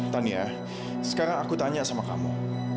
tania sekarang aku tanya sama kamu